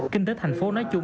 kinh tế thành phố nói chung